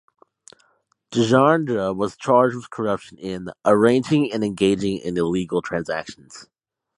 Tjandra was charged with corruption in "arranging and engaging in illegal transactions".